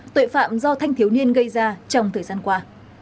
tội phạm do thanh thiếu niên gây ra trong thời gian qua